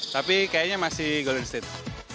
tapi kayaknya masih golden state